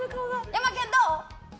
ヤマケンどう？